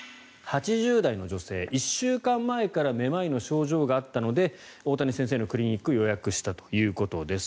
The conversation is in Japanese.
８０代の女性、１週間前からめまいの症状があったので大谷先生のクリニックを予約したということです。